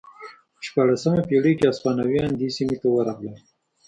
په شپاړسمې پېړۍ کې هسپانویان دې سیمې ته ورغلل.